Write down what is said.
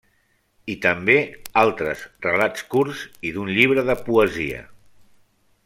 I també altres relats curts i d'un llibre de poesia.